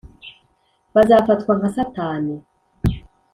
bazafatwa nka satani